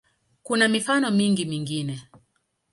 Kuna mifano mingi mingine.